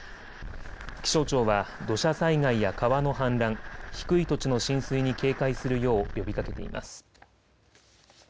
気象庁は土砂災害や川の氾濫、低い土地の浸水に警戒するよう呼びかけています。